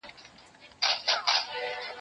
له عطاره یې عطرونه رانیوله